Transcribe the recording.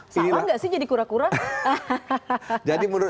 salah nggak sih jadi kura kura